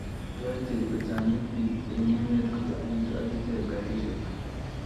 yo eche, kochangit biik eng emet kochangitu agiche karishek